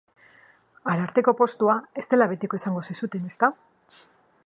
Ararteko postua ez dela betiko esango zizuten, ezta?